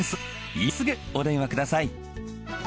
今すぐお電話ください。